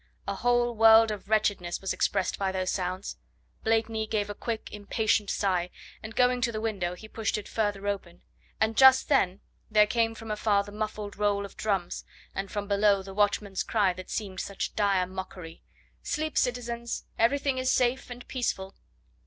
A whole world of wretchedness was expressed by those sounds! Blakeney gave a quick, impatient sigh, and going to the window he pushed it further open, and just then there came from afar the muffled roll of drums, and from below the watchman's cry that seemed such dire mockery: "Sleep, citizens! Everything is safe and peaceful."